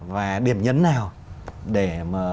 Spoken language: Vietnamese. và điểm nhấn nào để mà